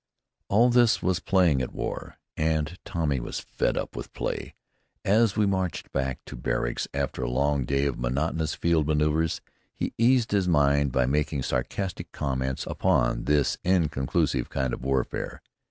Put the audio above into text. All this was playing at war, and Tommy was "fed up" with play. As we marched back to barracks after a long day of monotonous field maneuvers, he eased his mind by making sarcastic comments upon this inconclusive kind of warfare.